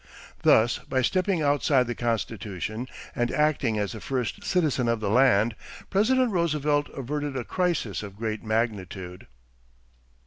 Thus, by stepping outside the Constitution and acting as the first citizen of the land, President Roosevelt averted a crisis of great magnitude.